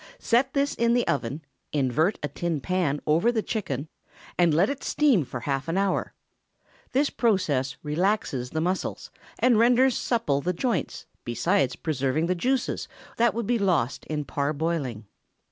Set this in the oven, invert a tin pan over the chicken, and let it steam for half an hour. This process relaxes the muscles, and renders supple the joints, besides preserving the juices that would be lost in parboiling.